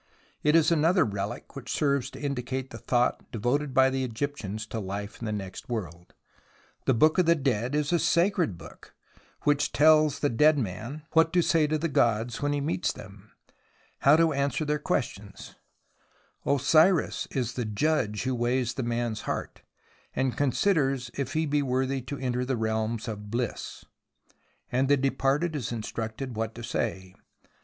It is another relic which serves to indicate the thought devoted by the Egyptians to life in the next world. The Book of the Dead is a sacred book, which tells the dead man what to x5 i < o c 8h <(< III a o c ii ^ I < 5 f ; O ir >'^ Z ' Cd '''' Z "^ THE ROMANCE OF EXCAVATION 51 say to the gods when he meets them, how to answer their questions. Osiris is the Judge who weighs the man's heart, and considers if he be worthy to enter the Realms of BHss. And the departed is instructed what to say.